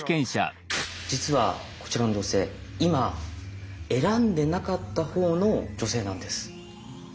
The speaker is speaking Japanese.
実はこちらの女性今選んでなかったほうの女性なんです。